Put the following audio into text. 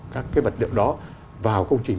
các cái vật liệu đó vào công trình